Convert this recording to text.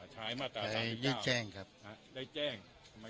ใช้มาตราตามอนุญาตได้แจ้ง